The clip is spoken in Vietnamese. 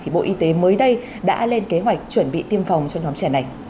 bộ y tế mới đây đã lên kế hoạch chuẩn bị tiêm phòng cho nhóm trẻ này